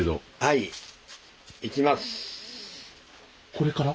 これから？